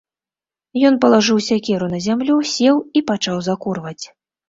Ён палажыў сякеру на зямлю, сеў і пачаў закурваць.